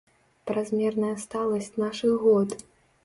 Празмерная сталасць нашых год!